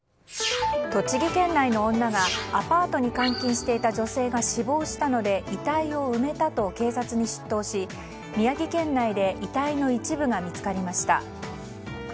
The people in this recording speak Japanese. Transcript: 栃木県内の女がアパートに監禁していた女性が死亡したので遺体を埋めたと警察に出頭し宮城県内で遺体の一部が見つかりました。